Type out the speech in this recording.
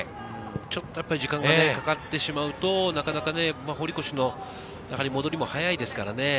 ちょっと時間がかかってしまうとなかなか堀越の戻りも速いですからね。